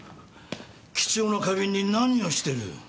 貴重な花瓶に何をしてる。